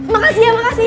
makasih ya makasih